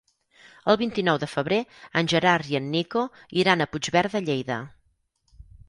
El vint-i-nou de febrer en Gerard i en Nico iran a Puigverd de Lleida.